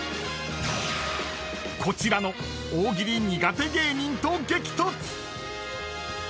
［こちらの大喜利苦手芸人と激突！］